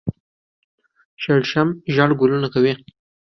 شړشم ژیړ ګلونه کوي